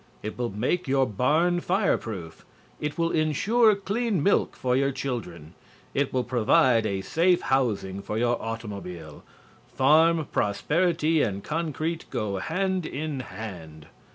It will make your barn fireproof; it will insure clean milk for your children; it will provide a safe housing for your automobile. Farm prosperity and concrete go hand in hand.